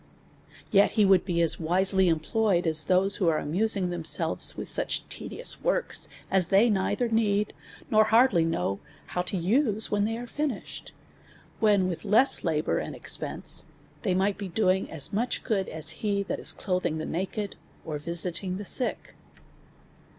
Yet he would be as wisely employed, as those that are amusing themselves with such tedious works as they neither need, nor hardly know how to use them when they are finished ; when with less labour and expense they might be doing as much good, as he that is clothing the naked, or visiting the sick.